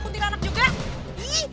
aku lihat pakai mata aku sendiri